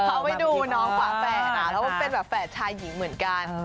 เอาไปดูไหนฝ่าแฝดเหมือนกัน